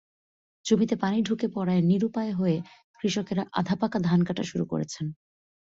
জমিতে পানি ঢুকে পড়ায় নিরুপায় হয়ে কৃষকেরা আধপাকা ধান কাটা শুরু করেছেন।